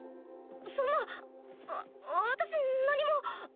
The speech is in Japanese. そんなわ私何も。